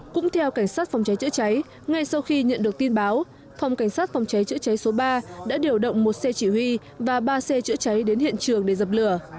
cũng theo cảnh sát phòng cháy chữa cháy ngay sau khi nhận được tin báo phòng cảnh sát phòng cháy chữa cháy số ba đã điều động một xe chỉ huy và ba xe chữa cháy đến hiện trường để dập lửa